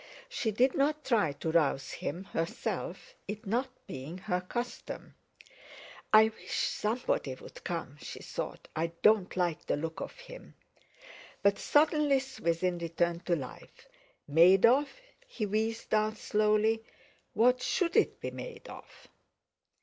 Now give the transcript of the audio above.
She did not try to rouse him herself, it not being her custom. "I wish somebody would come," she thought; "I don't like the look of him!" But suddenly Swithin returned to life. "Made of" he wheezed out slowly, "what should it be made of?"